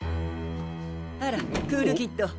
あらクールキッド。